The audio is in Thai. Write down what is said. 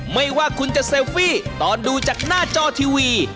ไม่ว่าคุณจะเซลฟี่ตอนดูจากหน้าจอทีวี